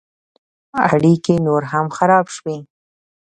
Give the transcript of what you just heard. اړیکې نور هم خراب شوې.